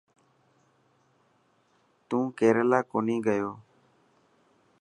نون ڪيريلا ڪونهي گيو.